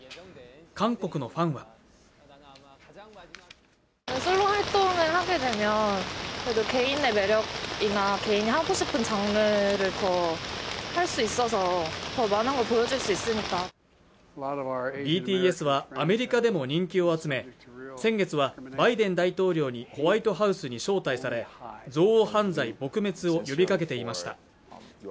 韓国のファンはＢＴＳはアメリカでも人気を集め先月はバイデン大統領にホワイトハウスに招待され憎悪犯罪撲滅を呼びかけていました